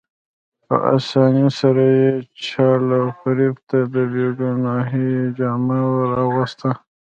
په اسانۍ سره یې چل او فریب ته د بې ګناهۍ جامه ور اغوسته.